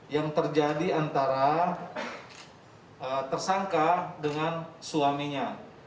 yang terjadi antara tersangka dengan suaminya